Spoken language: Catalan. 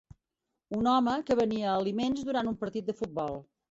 Un home que venia aliments durant un partit de futbol.